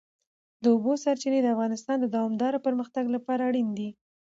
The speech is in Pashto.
د اوبو سرچینې د افغانستان د دوامداره پرمختګ لپاره اړین دي.